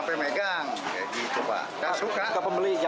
kalau jauh jauh kan nggak bisa